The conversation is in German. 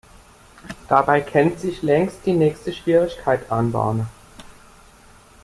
Dabei könnte sich längst die nächste Schwierigkeit anbahnen.